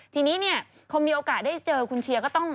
ทีนี้เนี่ยพอมีโอกาสได้เจอคุณเชียร์ก็ต้อง